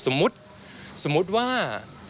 สมมุติสมมุติว่า